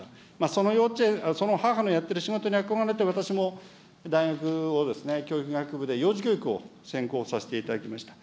その幼稚園、母のやってる仕事に憧れて、私も大学を教育学部で、幼児教育を専攻させていただきました。